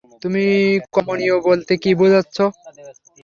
তুমি কমনীয় বলতে কী বুঝচ্ছ?